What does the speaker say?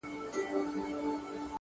پاس پر پالنگه اكثر _